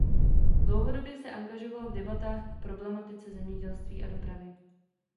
Dlouhodobě se angažoval v debatách k problematice zemědělství a dopravy.